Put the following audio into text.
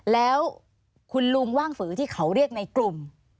แล้วคุณลุงว่างฝือที่เขาเรียกในกลุ่ม